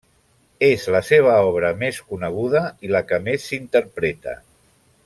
És la seva obra més coneguda i la que més s'interpreta.